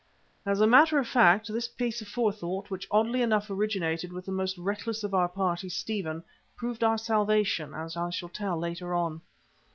As a matter of fact, this piece of forethought, which oddly enough originated with the most reckless of our party, Stephen, proved our salvation, as I shall tell later on.